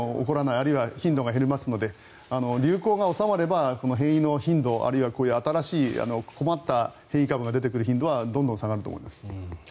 あるいは頻度が減りますので流行が収まれば変異の頻度あるいは、こういう新しい困った変異株が出てくる頻度はどんどん下がると思います。